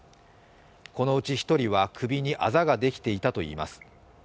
このうち１人は首にあざができていたといいます。